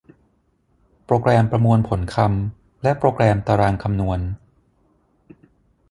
โปรแกรมประมวลผลคำและโปรแกรมตารางคำนวณ